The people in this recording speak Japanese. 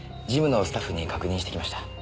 ジムのスタッフに確認してきました。